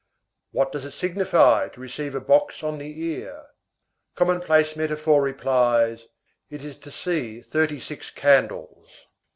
What does it signify to receive a box on the ear? Commonplace metaphor replies: "It is to see thirty six candles."